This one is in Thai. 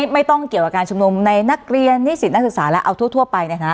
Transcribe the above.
ไม่ต้องเกี่ยวกับการชุมนุมในนักเรียนนิสิตนักศึกษาและเอาทั่วไป